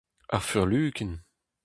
Ar furlukin.